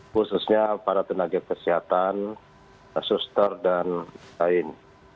khususnya para tenaga kesehatan suster dan lain